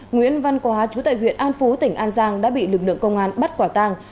nguyễn văn quá chú tại huyện an phú tỉnh an giang đã bị lực lượng công an bắt quả tàng